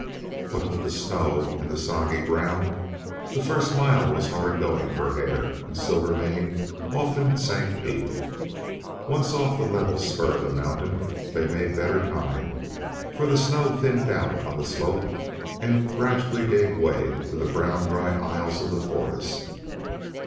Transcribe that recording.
What with the snow and the soggy ground the first mile was hard going for Hare, and Silvermane often sank deep. Once off the level spur of the mountain they made better time, for the snow thinned out on the slope and gradually gave way to the brown dry aisles of the forest.